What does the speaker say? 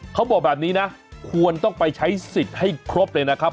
เขาบอกแบบนี้นะควรต้องไปใช้สิทธิ์ให้ครบเลยนะครับ